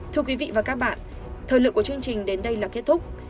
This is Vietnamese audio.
thưa quý vị và các bạn thời lượng của chương trình đến đây là kết thúc